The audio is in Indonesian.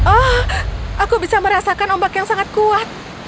oh aku bisa merasakan ombak yang sangat kuat